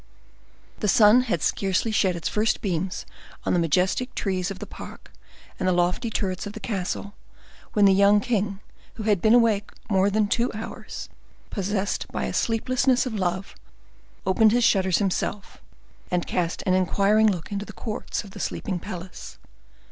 The sun had scarcely shed its first beams on the majestic trees of the park and the lofty turrets of the castle, when the young king, who had been awake more than two hours, possessed by the sleeplessness of love, opened his shutters himself, and cast an inquiring look into the courts of the sleeping palace.